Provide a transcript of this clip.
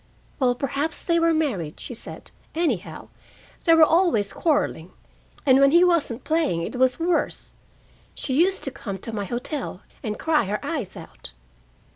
"Well, perhaps they were married," she said. "Anyhow, they were always quarreling. And when he wasn't playing, it was worse. She used to come to my hotel, and cry her eyes out."